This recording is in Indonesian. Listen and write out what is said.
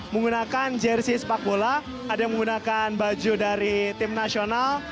menggunakan jersi sepak bola ada yang menggunakan baju dari tim nasional